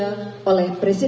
dan pemerintahan indonesia